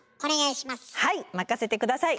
はい任せて下さい。